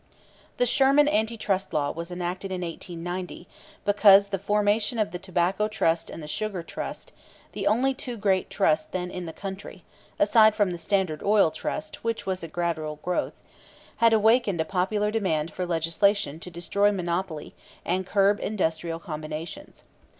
The Sherman Anti Trust Law was enacted in 1890 because the formation of the Tobacco Trust and the Sugar Trust, the only two great trusts then in the country (aside from the Standard Oil Trust, which was a gradual growth), had awakened a popular demand for legislation to destroy monopoly and curb industrial combinations.